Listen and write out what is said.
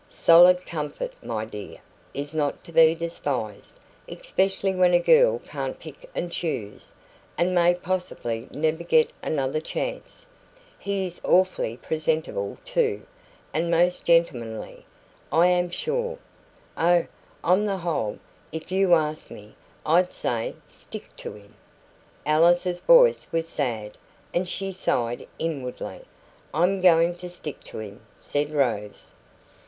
Solid comfort, my dear, is not to be despised, especially when a girl can't pick and choose, and may possibly never get another chance. He is awfully presentable, too, and most gentlemanly, I am sure. Oh, on the whole if you ask me I'd say, stick to him." Alice's voice was sad, and she sighed inwardly. "I'm going to stick to him," said Rose.